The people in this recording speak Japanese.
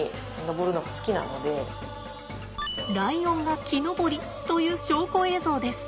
ライオンが木登りという証拠映像です。